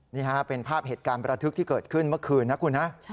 นี่ฮะเป็นภาพเหตุการณ์ประทึกที่เกิดขึ้นเมื่อคืนนะคุณฮะ